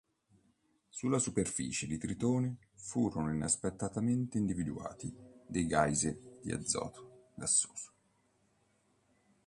Sulla superficie di Tritone furono inaspettatamente individuati dei geyser di azoto gassoso.